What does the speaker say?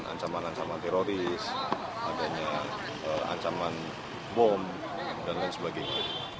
ancaman ancaman teroris adanya ancaman bom dan lain sebagainya